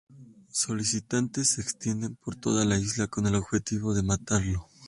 Solicitantes se extienden por toda la isla, con el objetivo de matarlo.